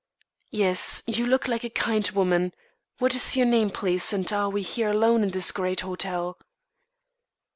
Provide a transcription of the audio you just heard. "Yes, you look like a kind woman. What is your name, please, and are we here alone in this great hotel?"